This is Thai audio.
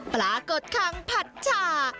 ปรากฏคังผัดชา